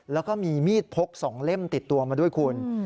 แล้วก็มีมีดพก๒เล่มติดตัวมาด้วยคุณ